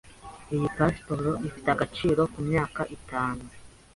Iyi pasiporo ifite agaciro kumyaka itanu.